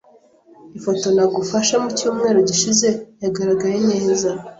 Ifoto nagufashe mucyumweru gishize yagaragaye neza.